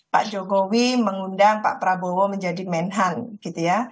pak jokowi mengundang pak prabowo menjadi menhan gitu ya